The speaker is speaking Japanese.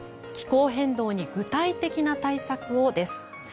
「気候変動に具体的な対策を」です。